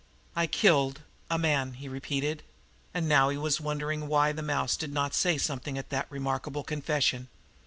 "I killed a man," he repeated, and now he was wondering why the mouse did not say something at that remarkable confession.